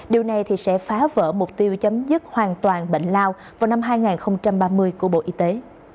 điều này sẽ phá vỡ mục tiêu chấm dứt hoàn toàn bệnh lao vào năm hai nghìn ba mươi của bộ y tế